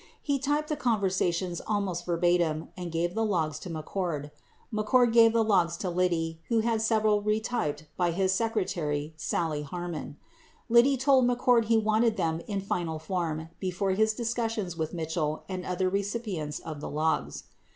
35 He typed the conversations almost verbatim and gave the logs to McCord. 36 McCord gave the logs to Liddy who had several retyped by his secretary, Sally Harmony. Liddy told McCord he wanted them in final form before his discussions with Mitchell and other recipients of the logs.